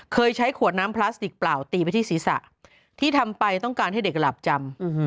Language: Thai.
ใช้ขวดน้ำพลาสติกเปล่าตีไปที่ศีรษะที่ทำไปต้องการให้เด็กหลับจำ